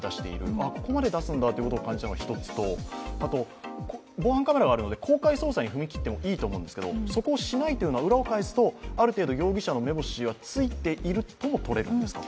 あ、ここまで出すんだというのがひとつとあと防犯カメラがあるので公開捜査に踏み切ってもいいと思うんですけれどもそこをしないというのは、裏を返すと、ある程度容疑者の目星はついているととれるんですか？